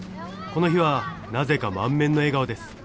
この日はなぜか満面の笑顔です。